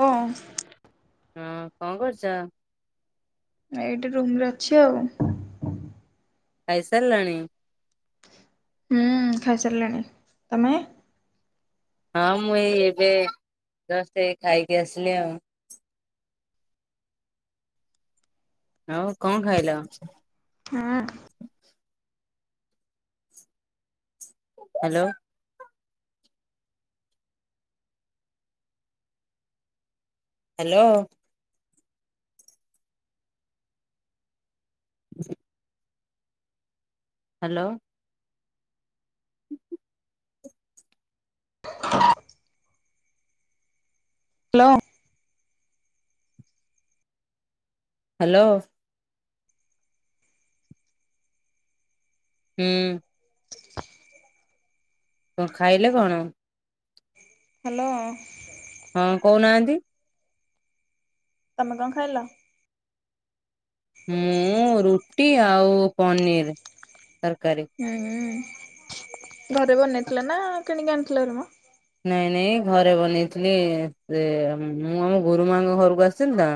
ହଁ ହଁ, କଣ କରୁଛ? ଏଇଟି ରୁମ ରେ ଅଛି ଆଉ। ଖାଇସାରିଲାଣି? ହୁଁ ଖାଇସାରିଲାଣି। ତମେ? ହଁ ମୁଁ ଏଇ ଏବେ ଜଷ୍ଟ୍ ଏଇ ଖାଇକି ଆସିଲି ଆଉ। ଆଉ କଣ ଖାଇଲ? ହଁ hello. Hello. [unintelligible] Hello. Hello. Hello. ହମ୍। କଣ ଖାଇଲେ କଣ? ହ୍ୟାଲୋ। ହଁ କହୁନାହାନ୍ତି। ତମେ କଣ ଖାଇଲ? ମୁଁ ରୁଟି ଆଉ ପନିର ତରକାରୀ। ହୁଁ ଘରେ ବନେଇଥିଲ ନା କିଣିକି ଆଣିଥିଲ ରମ। ନାଇଁ ନାଇଁ ଘରେ ବନେଇଥିଲି ସେ ମୁଁ ଆମ ଗୁରୁ ମାଙ୍କ ଘରକୁ ଆସିଲି ତ।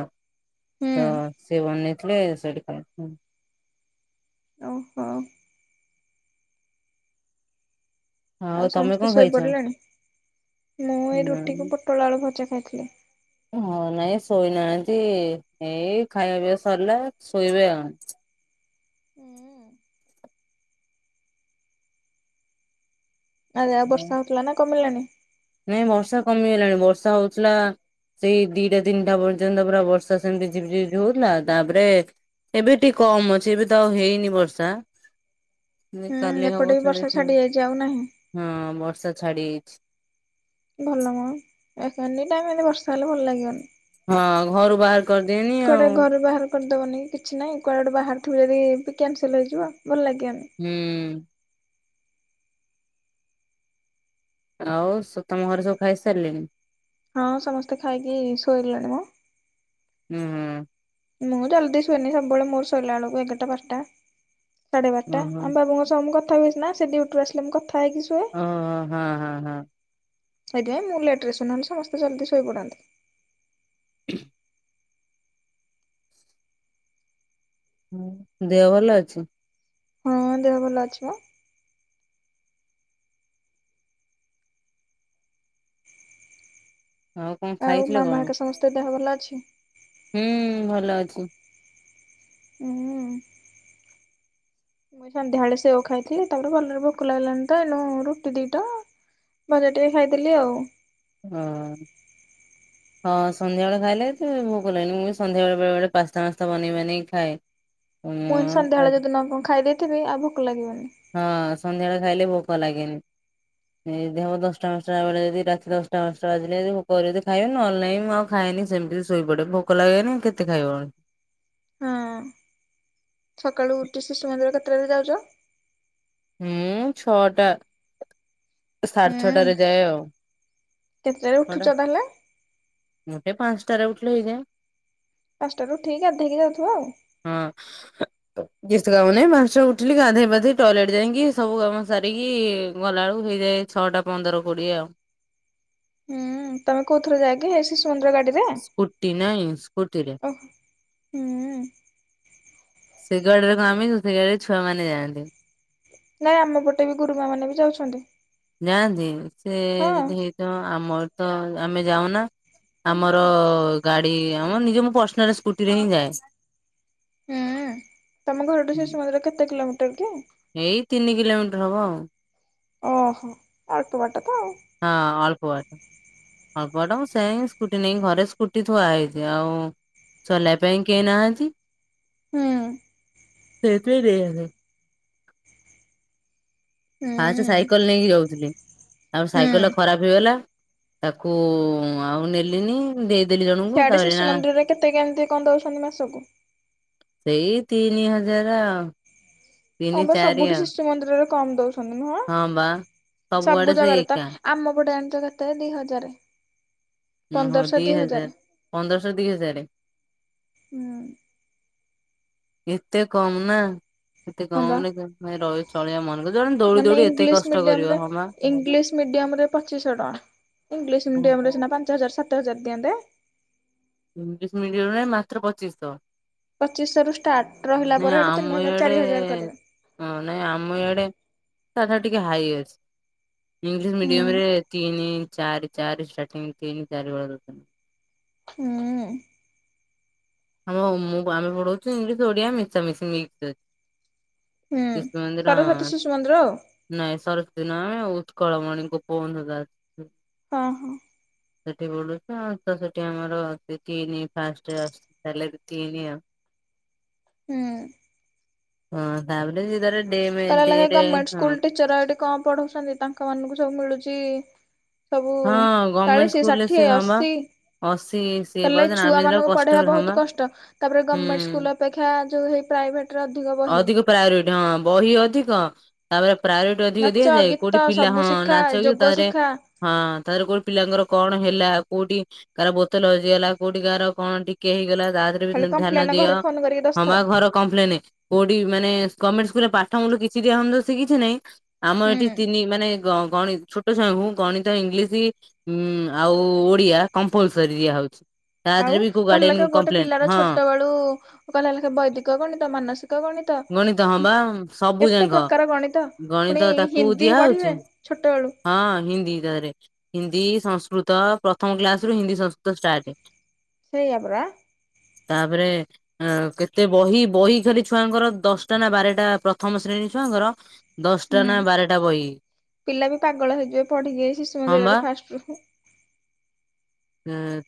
ହୁଁ। ତ ସେଏ ବନେଇଥିଲେ ସେଇଠି ତ। ଓହୋ। ଆଉ ତମେ କଣ ସମସ୍ତେ ଖାଇଛ? ଶୋଇପଡ଼ିଲେଣି? ମୁଁ ଏଇ ରୁଟିକୁ ନାଇଁ ପୋଟଳ ଆଳୁ ଭଜା ଖାଇଥିଲି। ହଁ ନାଇଁ ଶୋଇନାହାନ୍ତି। ଏଇ ଖାଇବା ପିଆ ସରିଲା ଶୋଇବେ ଆଉ। ଆଜ୍ଞା। ବର୍ଷା ହଉଥିଲା ନା କମିଲାଣି? ନାଇଁ ବର୍ଷା କମିଗଲାଣି ବର୍ଷା ହଉଥିଲା। ସେଇ ଦିଟା ତିନିଟା ପର୍ଯ୍ୟନ୍ତ ପୁରା ବର୍ଷା ସେମିତି ଝିପଝିପ ହଉଥିଲା। ତାପରେ ଏବେ ଟିକେ କମ ଅଛି ଏବେ ତ ହେଇନି ବର୍ଷା। ହଁ ହୁଁ ଏପଟେ ବର୍ଷା ବି ଛାଡି ଯାଇଛି ଆଉ ନାହିଁ ଯାଇଛି। ଭଲ ମ ଏ ଏନି ଟାଇମ ଏି ଭର୍ଷା ହେଲେ ଭଲ ଲାଗିବନି। ହଁ ଘରୁ ବାହାର କରିଦିଏନି କୁଆଡେ ଆଉ। ଘରୁ ବାହାର କରିଦବନି କିଛି ନାଇଁ କୁଆେଡୁ ବାହାରୁ ଥିବ ଯଦି ବି କ୍ୟାନସଲ ହେଇଯିବ ଭଲ ଲାଗିବନି। ହୁଁ। ଆଉ ସ ତମ ଘରେ ସବୁ ଖାଇସାରିଲେଣି? ହଁ ସମସ୍ତେ ଖାଇକି ଶୋଇଲେଣି ମୋ। ହୁଁ ହୁଁ। ମୁଁ ଜଲ୍ଦି ଶୁଏନି ସବୁ ବେଳେ ମୋର ସୋଇଲା ବେଳକୁ ଏଗାରା ବାରଟା। ସାଢେ ବାରଟା ଓହୋ ଆମ ବାବୁଙ୍କ ସହ ମୁ କଥା ହେବି ସିନା ସେ ଡ୍ୟୁଟିରୁ ଆସିଲେ ମୁଁ କଥା ହେଇକି ଶୁଏ। ଓ ହଁ ହଁ ହଁ। ସେଇଥି ପାଇଁ ମୁଁ ଲେଟ୍ ସୁନାଲେ ସମସ୍ତେ ଜଲ୍ଦି ଶୋଇପଡ଼ାନ୍ତି। [inaudible] ଦେହ ଭଲ ଅଛି? ହଁ ଦେହ ଭଲ ଅଛିିବା। ଆଉ କଣ ଆଉ ଖାଇଥିଲେ କଣ? ମାମାହାକ୍ ସମସ୍ତେ ଦେହ ଭଲ ଅଛି? ହୁଁ ଭଲ ଅଛି। ଉଁ ହୁଁ ଉଁ। [inaudible] ମୁଇଁ ସନ୍ଧ୍ୟାବେଳେ ସେଓ ଖାଇଥିଲି ତାପରେ ଭଲରେ ଭୋକ ଲାଗିଲାନି ତ ଏଣୁ ରୁଟି ଦିଟା ବରା ଟିଏ ଖାଇଥିଲି ଆଉ। ହଁ। ହଁ ସନ୍ଧ୍ୟାବେଳେ ଖାଇଲେ ଏଥି ଭୋକ ଲାଗେନି ମୁଁ ବି ସନ୍ଧ୍ୟା ବେଳେ ବେଳେ ପାସ୍ତା ମାସ୍ତା ବନେଇ ବାନେଇ ଖାଏ। [inaudible] ମୁଁ ହିନ୍ ଆଉ ସନ୍ଧ୍ୟାବେଳେ ଆଜି ଯଦି ନ କଣ ଖାଇଦେଇଥିବି ଆଉ ଭୋକ ଲାଗିବନି। ହଁ ସନ୍ଧ୍ୟାବେଳେ ଖାଇଲେ ଭୋକ ଲାଗେନି। ଏଇଦିହବ ଦଶଟା ପାଞ୍ଚଟା ବେଳେ ଯଦି ରାତି ଦଶଟା ପାଞ୍ଚଟା ବାଜିଲେ ଯବି ଭୋକକରିବ ଯେ ଖାଇବା ନହଲେ ନାଇଁ ମ ଖାଏନି ସେମିତି ଶୋଇ ପଡ଼େ ଭୋକ ଲାଗେନି କେତେ ଖାଇବଣ୍ ହଁ ସକାଳୁ ଉଠି ଶିଶୁ ମନ୍ଦିର କେତେବେଳେ ଯାଉଚ? ମୁଁ ଛଅଟା ସାଢ୍ ହୁଁ ଛଅଟାରେ ଯାଏ ଆଉ କେତେଟାରେ [inaudible] ଉଠୁଚ ଅଟା ତାହେଲେ? ମୁଁଟେ ପାଞ୍ଚଟାରେ ଉଠଲେ ହେଇଯାଏ। ପାଞ୍ଚଟାରୁ ଉଠିକ୍ ଗାଧେଇକି ଯାଉଥୁବ ଆଉ। ହଁ [unintelligible] [unintelligible] ଗେସ୍ଥ କାମୁନି ମାଷ୍ଟ ଉଠିଲି ଗାଧେଇ ପାଧେଇ ଟଏଲେଟ୍ ଯାଇଁକି ସବୁ କାମ ସାରିକିଇ ଗଲା ବେଳୁ ଦୋଇଧାଇ ଛଅଟା ପନ୍ଦର କୋଡ଼ିଏ ଆଉ। ହୁଁ ତମେ କୋଉ ଥରେ ଯାଅକି ହେଇ ଶିଶୁମନ୍ଦିର ଗାଡ଼ିରେ? ସ୍କୁଟି ନାଇଁ ସ୍କୁଟିରେ। ଓହ୍ ହୁଁ ସେ ଗାଡ଼ିରେ କଣ ଆମେ ଜିବୁ। ସେ ଗଡ଼ିରେ ଛୁଆମାନେ ଯାଆନ୍ତି। ନାଇଁ ଆମ ପଟେ ବି ଗୁରୁମା ମାନେ ବି ଯାଉଛନ୍ତି। ଯାଆନ୍ତି ସେ ହଁ। ଯଦି ହେଇଥିବ ଆମର୍ ତ ଆମେ ଯାଉନା। ଆମର ଗାଡ଼ି ଆମର ନିଜେ ମୁ ପର୍ସନାଲ ସ୍କୁଟି ରେ ହିଁ ଯାଏ। ହୁଁ ତମ ଘରଠୁ ଶିଶୁମନ୍ଦିର କେତେ କିଲୋମିଟର କି? ଏଇ ତିନି କିଲୋମିଟର ହବ ଆଉ। ଓହୋ ଅଳ୍ପ ବାଟ ତ ଆଉ। ହଁ ଅଳ୍ପ ବାଟ୍। ଅଳ୍ପବାଟା ମୁଁ ସେଇଁ ସ୍କୁଟି ନେଇଁ ଘରେ ସ୍କୁଟି ଥୁଆ ହେଇଛି ଆଉ ଚଲେଇୟା ପାଇଁ କେଇ ନାହାଁନ୍ତି। ହୁଁ। [unintelligible] ସେତ ବି ଦେଇ ହାସ୍ଟେ ହୁଁ ସାଇକଲ୍ ନେଇକି ଯାଉଥିଲି ଆଉ ହୁଁ। ସାଇକଲ ଖରାପେ ହେଇଗଲା ତାଖୁଉଁ ଆଉ ନେଲିନି। ଉଁ ଦେଇଦେଲି ଜଣୁ ସିଆଡ଼େ ଶିଶୁ ମନ୍ଦିରରେ କେତେ କେମିତି କଣ ଦଉଛନ୍ତି ମାସକୁ? ସେଇ ତିଇନି ହଜାର ଆଉ। ହଁ ତିନି ବା ଚାରି ସବୁଠି ଆଉ ଶିଶୁ ମନ୍ଦିରରେ କମ୍ ଦଉଛନ୍ତି ନୁହଁ ହଁ ବା ସବୁଆଡେ ସବୁ ସେ ଜାଗାରେ ତା ଏକା ଆମ ପଟେ ଆଣିଛ କେତେ ଦି ହଜାରେ। ଉଁ ହୋ ପନ୍ଦରଶହ ଦି ହଜାର ହଜାରେ। ପନ୍ଦରଶହ ଦି ହଜାରେ। ହୁଁ ଏତେ କମ୍ ନା? ଏତେ ହଁ କମ୍ ବା। ରେ କେମିତି ରହି ଚଳିବା ମନ କର ଜଣେ ଦୌଡି ମାନେ ଦୌଡି ଏତେ ଇଂଲିଶ କଷ୍ଟ କରିବ ମିଡିୟମ ରେ ହଁ ବା ଇଂଲିଶ ମିଡିୟମ ରେ ପଚିଶହ ଟଙ୍କା। ଇଂଲିଶ ମିଡିୟମ୍ ଓହୋ ରେ ସିନା ପାଞ୍ଚ ହଜାର, ସାତ ହଜାର ଦିଅନ୍ତେ? ଇଂଲିଶ ମିଡିୟମରେ ମାତ୍ର ପଚିଶିଶହ। ପଚିଶି ଶହ ରୁ ଷ୍ଟାର୍ଟ, ରହିଲା ପରେ ହେଟୁ ଆମ ତିନି ହଜାର, ଇଆଡେ ଚାରି ହଜାର କରିବେ। ହଁ ନାଇଁ ଆମ ଇଆଡେ [unintelligible] ଟିକେ ହାଇ ଅଛି। ଇଂଲିଶ ମିଡିୟମ ହୁଁ ରେ ତିନି ଚାରି, ଚାରି ଷ୍ଟାର୍ଟିଂ, ତିନି ଚାରି ଭଳିଆ ଦଉଚନ୍ତି। ହୁଁ ଉଁ ଆମ ମୁଁ ଆମେ ପଢଉଚୁ ଇଂଗିଲିଶି ଓଡ଼ିଆ ମିଶାମିଶି ମିକ୍ସରେ। ହୁଁ, ସରସ୍ୱତୀ ଶିଶୁ ମନ୍ଦିର ଆଉ। ନାଇଁ, ସରସ୍ୱତୀ ନୁହଁ, ଉତ୍କଳମଣି ଗୋପବନ୍ଧୁ ଦାସ। ହଁ ହଁ। ସେଠି ପଢ଼ଉଚୁ ଆଉ ତ ସେଠି ଆମର ତିନି ଫାଷ୍ଟ ଆସ୍ ହେଲେବି ତିନି ଆ ହୁଁ ଉଁ। ହଁ, ତା ପରେ ସେ ତାର ଡେମ୍ କହିଲା ଲେଖେ ଡେରେ ଗଭର୍ଣ୍ଣମେଣ୍ଟ ହଁ। ସ୍କୁଲ ଟିଚର ଏଠି କଣ ପଢଉଚନ୍ତି, ତାଙ୍କ ମାନଙ୍କୁ ସବୁ ମିଳୁଚି ସବୁ ହଁ ଚାଳିଶି, ଷାଠିଏ, ଅଶୀ ଅଶିଶ୍ କହିଲେ ଛୁଆ ମାନଙ୍କୁ ପଢେଇବା ବହୁତ କଷ୍ଟ, ତାପରେ ଗଭର୍ଣ୍ଣମେଣ୍ଟ ହୁଁ। ସ୍କୁଲର ଅପେକ୍ଷା ଯୋଉ ହେଇ ପ୍ରାଇଭେଟ ରେ ଅଧିକ ବହି। ପ୍ରାୟୋରିଟି ହଁ ବହି ଅଧିକ, ତାପରେ ପ୍ରାୟୋରି ଅଧିକ ନାଚ ଦିଆଯାଏ, କୋଉଠି ଗୀତ ପିଲା ସବୁ ହଁ ଶିଖା ନାଚ ଗୀତ ଯୋଗ ରେ ଶିଖା ହଁ, ତାପରେ କୋଉଠି ପିଲାଙ୍କର କଣ ହେଲା? କୋଉଠି କାର ବୋତଲ ହଜିଗଲା, କୋଉଠି କାହାର କଣ ଟିକେ ହେଇଗଲା, ତା ଦେହରେ ଖାଲି ଧ୍ୟାନ କମ୍ପ୍ଲେନ ଦିଅ, ଘରେ ଫୋନ କରିକି ହପା ଦଶଥର। ଘର କଂପ୍ଲେନ, କୋଉଠି ମାନେ ଗଣମେଣ୍ଟ ସ୍କୁଲ୍ ରେ ପାଠ ମୁଳୁରୁ କିଛି ଦିଆ ହଉନି ସେ କିଛି ନାଇଁ ଆମ ଏଠି ତିନି ମାନେ ଗଣ ଗଣି ଛୋ ଛୋଟ ଛୁଆଙ୍କୁ ଗଣିତ, ଇଂଲିଶି ଉ ଆଉ ଓଡିଆ, କମ୍ପଲସରି ଦିଆ ହଉଛି। ତା ଦେହରେ ବି କୋଉ ଗାଡିଆନ୍ କମ୍ପ୍ଲେନ୍, ହଁ। ତୁ କହିଲା ଭଳିଆ ସେ ବୈଦିକ ଗଣିତ, ମାନସିକ ଗଣି ଗଣିତ ହଁ ବା ସବୁ କେତେ ଯାକ ପ୍ରକାର ଗଣିତ, ପୁଣି ଗଣିତ ତାକୁ ହିନ୍ଦୀ ଦିଆହଉଛି ପଢିବେ ଛୋଟବେଳୁ। ହଁ ହିନ୍ଦୀ [unintelligible] ରେ। ହିନ୍ଦୀ, ସଂସ୍କୃତ, ପ୍ରଥମ କ୍ଲାସ ରୁ ହିନ୍ଦୀ ସଂସ୍କୃତ ଷ୍ଟାର୍ଟ ସେଇଆ ପରା। ତାପରେ ଅ କେତେ ବହି, ବହି ଖାଲି ଛୁଆଙ୍କର ଦଶଟା, ନା ବାରଟା, ପ୍ରଥମ ଶ୍ରେଣୀ ଛୁଆଙ୍କର ଦଶଟା ହୁଁ, ନା ବାରଟା ବହି ପିଲା ବି ପାଗଳ ହେଇଯିବେ ପଢିକି, ଏଇ ଶିଶୁ ହଁ ମନ୍ଦିର ବା ରେ ଫାଷ୍ଟ ରୁ।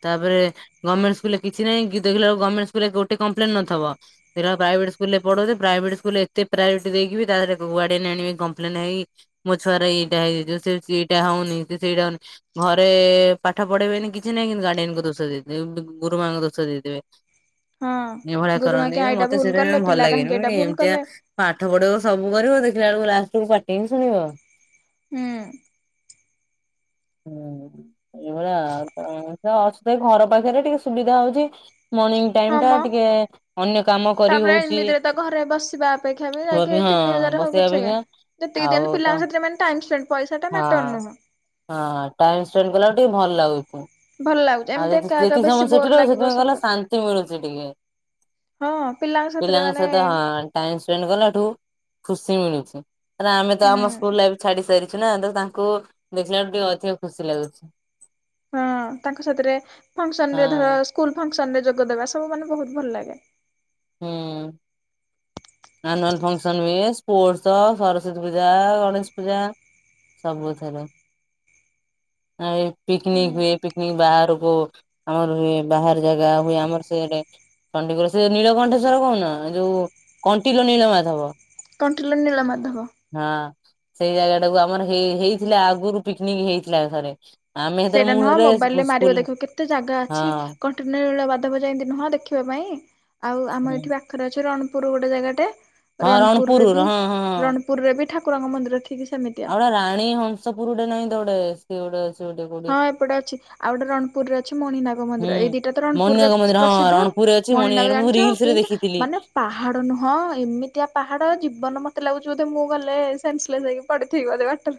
ତାପରେ ଗଭର୍ଣ୍ଣମେଣ୍ଟ ସ୍କୁଲରେ କିଛି ନାଇଁ, ଦେଖିଲା ଗର୍ଣମେଣ୍ଟ ସ୍କୁଲ ରେ ଗୋଟେ କମ୍ପ୍ଲେନ ନଥିବ। ଦେଖିଲାବେଳୁ ପ୍ରାଇଭେଟ ସ୍କୁଲ ରେ ପଢଉଚ, ପ୍ରାଇଭେଟ ସ୍କୁଲ ଏତେ ପ୍ରାୟୋରିଟି ଦେଇକିବି, ତା ଦେହରେ ଗାଡିଆନ ଆଣିବେ କମ୍ପ୍ଲେନ ହେଇ ମୋ ଛୁଆ ର ଏଇଟା ହେଇଯିବ, ସେଇଟା ହଉନି, ସେ ସେଇଟା ହଉନି, ଘରେ ପାଠ ପଢେଇବେନି କି କିଛିନାହିଁ, କିନ୍ତୁ ଗାଡିଆନ କୁ ଦୋଷ ଦେଇଦେବେ, ଗୁରୁମାଙ୍କୁ ଦୋଷ ଦେଇଦେବେ। ହଁ ଏଇଭଳିଆ ଗୁରୁମା କରନ୍ତି କି ଯେ, ଏଇଟା ମତେ ଭୁଲ ସେଥି ପାଇଁ କଲେ ଜମା ଭଲ ପିଲା ଲାଗେନି, କାହିଁକି ମୁଁ ଏଇଟା କହିବି ଭୁଲ ଏମତିଆ କଲେ। ପାଠ ପଢ଼େଇବ, ସବୁ କରିବ, ଦେଖିଲା ବେଳକୁ ଲାଷ୍ଟ କୁ ପାଟିି ହିଁ ଶୁଣିବ। ହୁଁ। ହୁଁ ଏଇଭଳିଆ ଆଉ ଅଛ ତ ଘର ପାଖରେ ଟିକେ ସୁବିଧା ହଉଛି। ମର୍ଣିଂ ଟାଇମ ହଁ ଟା ମ ଟିକେ ଅନ୍ୟ କାମ କରି ତାପରେ ହଉଛି ଏମିତିରେ ତ ଘରେ ବସିବା ଅପେକ୍ଷା ବି ହଁ ଯାଇକି ତିନି ହଜାର ହଉ ବସିବା ପଛକେ ଅପେକ୍ଷା ଯେତିକି ଆଉ ଦିନ ତ ପିଲାଙ୍କ ସେଥିରେ ମାନେ ଟାଇମ୍ ସ୍ପେଣ୍ଡ ପଇସା ଟା ହଁ ମ୍ୟାଟର ନୁହଁ। ହଁ ଟାଇମ ସ୍ପେଣ୍ଡ କଲାକୁ ଟିକେ ଭଲ ଲାଗୁଛି। ଭଲ ଲାଗୁ ଆଉ ଯେତିି ସମୟ ସେଠି ରହୁ ସେଥିପାଇଁ କହିଲ ଶାନ୍ତି ମିଳୁଛି ଟିକେ। ହଁ ପିଲାଙ୍କ ସାଥିରେ ପିଲଙ୍କ ମାନେ ସହିଁତ ହଁ। ଟାଇମ ସ୍ପେଣ୍ଡ କଲାଠୁ ଖୁସି ମିଳୁଛି ଆମେ ତ ହୁଁ ଆମ ସ୍କୁଲ ଲାଇଫ ଛାଡି ସାରିଛୁ ନା ତ ତାଙ୍କୁ ଦେଖିଲା ବେଳେ ଟିକେ ଅଧିକ ଖୁସି ଲାଗୁଛି। ହଁ ତାଙ୍କ ସାଥିରେ ଫଙ୍କସନ ହଁ ରେ ଧର ସ୍କୁଲ ଫଙ୍କସନରେ ଯୋଗଦବା ସବୁ ମାନେ ବହୁତ ଭଲ ଲାଗେ। ହୁଁ ଆନୁଆଲ ଫଂକସନ [unintelligible] ପୋର୍ଶ ସରସ୍ଵତୀ ପୂଜା ଗଣେଶ ପୂଜା ସବୁ ଥିରୁ ଆ ହୁଁ ପିକନିକ ହୁଏ, ପିକନିକ ବାହାରକୁ ଆମର ହୁଏ ବାହାର ଜାଗା ହୁଏ ଆମର ସେ ଚଣ୍ଡିଗୁର ସେ ନୀଳକଣ୍ଠେଶ୍ଵର କହୁନ ଯୋଉ କଣ୍ଟିିଲ ନୀଳମାଥବ। କଣ୍ଟିଲର ନୀଳମାଧବ। ହଁ ସେଇ ଜାଗା ଟାକୁ ଆମର ହେଇଥିଲା ଆଗରୁ ପିକନିକ ହେଇଥିଲା ଥରେ। ଆମେ ହେଥିରେ ସେଇଟା ମୁଁ ନୁହଁ ହେଥିରେ ମୋବାଇଲ ରେ ମାରିବ ସ୍କୁଲ ଦେଖିବ କେତେ ଜାଗା ହଁ ଅଛି କ ନୀଳ ବାଧବ ଯାଇତି ନହଁ ଦେଖିବା ପାଇଁ ଆଉ ଆମ ଏଠି ବା ପାଖରେ ଅଛି ରଣପୁର ଗୋଟେ ଜାଗାଟେ ହଁ ରଣପୁର ରଣପୁରରେ ବି ହଁ ହଁ ହଁ ରଣ ପୁରରେ ବି ଠାକୁର ମନ୍ଦିର ଠିକ୍ ସେମିତି। ଆଉ ରାଣୀ ହଂସପୁର ଗୋଟେ ନାଇଁ ତୋଟେ ସିଏ ଗୋଟେ ଅ ହଁ ଏପଟେ ଅଛି ଆଉ ଗୋଟେ ରଣପୁରରେ ଅଛି ମଣିନାଗ ମନ୍ଦିର ଏଇ ହୁଁ ଦିଟା ତ ରଣପୁର ରେ ମଣିନାଗ ମନ୍ଦିର ହଁ ପ୍ରସିଦ୍ଧ। ରଣପୁରରେ ଅଛି ମଣି ନାଗ ମଣିନାଗ ମୁଁ ଜାଣିଛ ରିଲସ ରେ କେମୁ ଦେଖିଥିଲି। ମାନେ ପାହାଡ ନୁହଁ ଏମିତିଆ ପାହାଡ ଜୀବନ ମତେ ଲାଗୁଛି ବୋଧେ ମୁଁ ଗଲେ ସେନ୍ସ ଲେସ୍ ହେ [unintelligible] ବାଟରେ।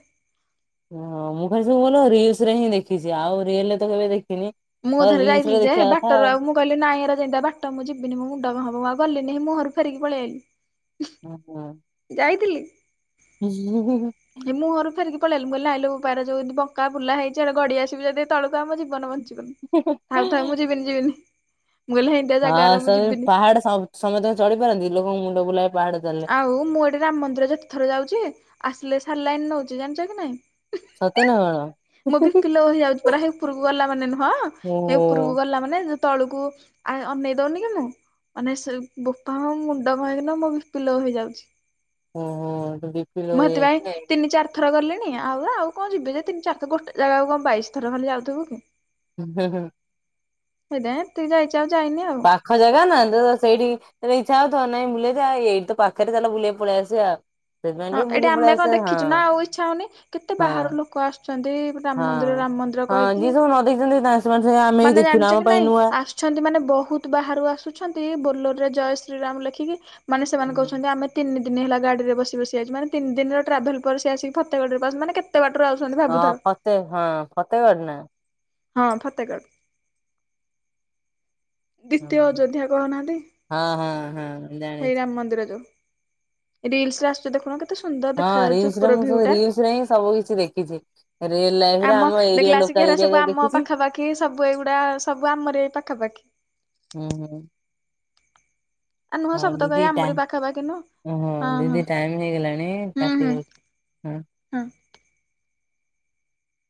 ଓ ମୁଁ ଖାଲି ସବୁ ଭଲ ରିଲସ ରେ ହିଁ ଦେଖିଛି ଆଉ ରିଲ ରେ ତ କେବେ ଦେଖିନି। ମୁଁ ତ ଥରେ ରିଲସ ରେ ଯାଇଥିଲି ଯେ ହେ ଦେଖିବା କଥା ବାଟରୁ ଆଉ ମୁଁ କହିଲି ନାଇଁ ଏରା ଯେଉଁ ତିଆ ବାଟ ମୁଁ ଯିବିନି ମୋ ମୁଣ୍ଡ ହବ ଆଉ ଗଲିିନି ମୁଁହ ରୁ ଫେରିକି ପଳେଇ ଆଇଲି। ହୁଁ ହୁଁ। ଯାଇଥିଲି। [unintelligible] ମୁହଁରୁ ଫେରିକି ପଳିଆଇଲି ମୁଁ କହିଲି ନାଇ ଲୋ ବୋପା ପାର ଯି ବଙ୍କା ବୁଲା ହେଇଛି ଆଡେ ଗଡି ଆସିବି ଯଦି ତଳକୁ ଆଉ ମୋ ଜୀବନ ବ ଥାଉ ଥାଉ ମୁଁ ଯିବିନି ଯିବିନି। ମୁଁ କହିଲି ହେମିତିଆ ହଁ ଜାଗାରା ମୁଁ ସେ ଯିବିନି। ପାହାଡ ସମତେ ଚଢିପାରନ୍ତି କି ଲୋକଙ୍କ ମୁଣ୍ଡ ବୁଲାଏ। ପାହାଡ ଚାଲିଲେ ଆଉ ମୁଁ ଏଠି ରାମ ମନ୍ଦିର ଯେତେଥର ଯାଉଛି ଆସିଲେ ସାଲାଇନ ନଉଛି ଜାଣିଛ କି ନାଇଁ। ସତେ ନା କଣ? ମୁଁ ବି କିଲୋ ହେଇଯାଉଛି ପୁରା ହେଇ ଉପରକୁ ଗଲା ମାନେ ନୁହଁ ହେଇ ଓହୋ ଉପରକୁ ଗଲା ମାନେ ତଳୁକୁ ଆ ଅନେଇ ଦଉନି କି ମୁଁ ମାନେ ବୋପା ମୁଣ୍ଡ ହେଇକିନା ମୋ ପିଲ ହୋଇଯାଉଛି ଓହୋ ତୋ ବିପି ଲୋ ମୁ ହେଥିପାଇ ହେଇଯାଇଛି ତିନି ଚାର ଥର ଗଲିଣି ଆଉ ଆଉ କଣ ଯିବି ଯେ ତିନି ଚାର ଗୋଟେ ଜାଗାକୁ କଣ ବାଇଶଥର ଖାଲି ଯାଉଥିବୁ କି। ହୁଁ ହୁଁ ହୁଁ। ହେ ଏତିକି ଯାଇଚି ଆଉ ଯାଇନି ଆଉ। [unintelligible] ସେଇଠି ଇଛା ହଉଥିବ ନାଇଁ ବୁଲେଇ ଏଇଠି ତ ପାଖରେ ଚାେ ବୁଲେଇ ପଳେଇ ଆସିବା ଆଉ। ହଁ ଏଠି ଆମେ କଣ ଦେଖିଛୁ ନା ଆଉ ଇଚ୍ଛା ହଉନି କେତେ ହଁ ବାହାର ଲୋକ ଆସୁଛନ୍ତି ହଁ ରାମ ମନ୍ଦିର ରାମ ମନ୍ଦିର ହଁ କହିକି। [unintelligible] ଅଛନ୍ତି ମାନେ ବହୁତ ବାହାରୁ ଆସୁଛନ୍ତି ବୋଲୋର ରେ ଜୟ ଶ୍ରୀରାମ ଲେଖିକି ମାନେ ସେମାନେ କହୁଛନ୍ତି ଆମେ ତିନି ଦିନ ହେଲା ଗାଡ଼ିରେ ବସି ବସି ଆସି ମାନେ ତିନିିନ ଟ୍ରାଭେଲସସି ଆସିକି ଫତେଗଡ଼ିରେସ ମାନ କେତେ କେତେ ବାଟରେ ଆସୁଛନ୍ତି ହଁ ଭାବୁଥାଉ। ହଁ ଫତେ ଫତେହଗଡ଼ ନା। ହଁ ଫତେଗଡ଼। ହଁ ଦ୍ୱିତୀୟ ଅଯୋଧ୍ୟା କହୁନାହାନ୍ତି ହଁ ହଁ ହେଇ ଜାଣିଛି। ରାମ ମନ୍ଦିର ଯୋଉ। ରିଲସରେ ଆସୁଚି ଦେଖୁନ କେ ହଁ ରସ ରେ ମୁଁ ସବୁ ରିଲସ ରେ ହିଁ ସବୁ କିଛି ଦେଖିଛି ରିଅଲ ଲାଇଫ୍ରେ ଆମ ଏରିଆ ଲ ଏର ସବୁ ଆମ ପାଖାପାଖି ସବୁ ଏଇଗୁଡା ସବୁ ଆମର ଏଇ ପାଖାପାଖି। ହୁଁ ହୁଁ ଆ ନୁହଁ ହଁ ସବୁତକ ଦିଦି ଏଇ ଟା ଆମରି ପାଖାପାଖି ନୁହଁ ହଁ ଦିଦି ଟାଇମ ହେଇଗଲାଣି ହୁଁ ହୁଁ [unintelligible] ହୁଁ। ହଁ।